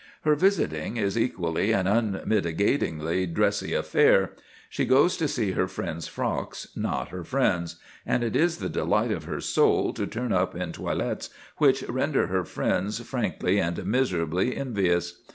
Her visiting is equally an unmitigatedly dressy matter; she goes to see her friends' frocks, not her friends, and it is the delight of her soul to turn up in toilettes which render her friends frankly and miserably envious.